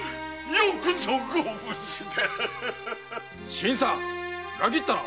新さん裏切ったな！